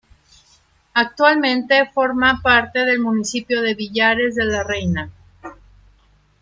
Actualmente forma parte del municipio de Villares de la Reina.